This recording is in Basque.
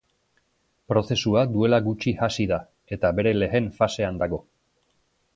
Prozesua duela gutxi hasi da, eta bere lehen fasean dago.